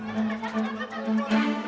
mereka cukupetraversial rachman bahayaya